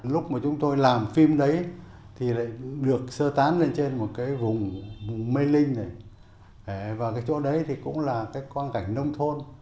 lúc mà chúng tôi làm phim đấy thì lại được sơ tán lên trên một cái vùng mê linh này và cái chỗ đấy thì cũng là cái quan cảnh nông thôn